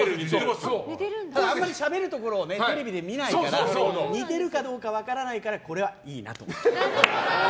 ただ、あまりしゃべるところをテレビで見ないから似てるかどうか分からないからこれはいいなと思って。